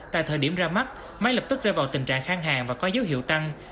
tại thời điểm ra mắt máy lập tức rơi vào tình trạng khang hàng và có dấu hiệu tăng